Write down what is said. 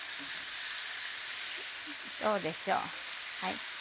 どうでしょう。